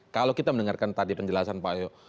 kalau kita mendengarkan tadi penjelasan pak yoyo